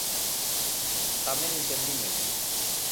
Tamén entendín eu.